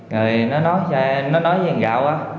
rồi nó nói cho em nó nói cho em gạo quá